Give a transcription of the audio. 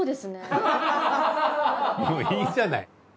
もういいじゃない。